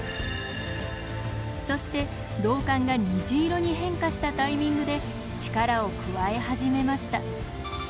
そして銅管が虹色に変化したタイミングで力を加え始めました。